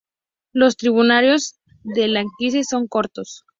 Los tributarios del Llanquihue son cortos.